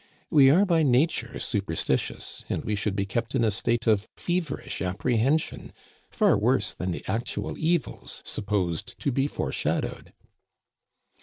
We are by nature superstitious, and we should be kept in a state of feverish apprehension, far worse than the actual evils supposed to be foreshadowed."